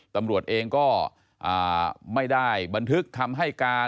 ตำรวจเองก็ไม่ได้บันทึกคำให้การ